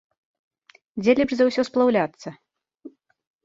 Дзе лепш за ўсё сплаўляцца?